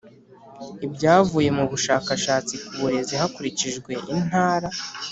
Ibyavuye mu bushakashatsi ku burezi hakurikijwe Intara